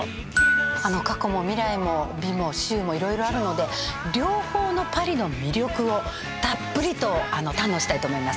あの過去も未来も美も醜もいろいろあるので両方のパリの魅力をたっぷりと堪能したいと思います。